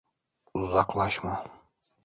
Uzaklaşma.